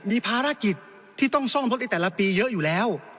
มีภารกิจที่ต้องซ่อมรถในแต่ละปีเยอะอยู่แล้ว